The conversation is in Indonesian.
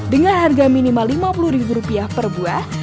dengan harga minimal lima puluh ribu rupiah per buah